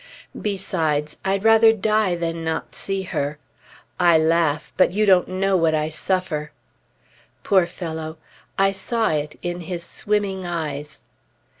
"Besides, I'd rather die than not see her; I laugh, but you don't know what I suffer!" Poor fellow! I saw it in his swimming eyes.